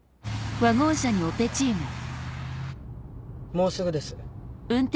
もうすぐです。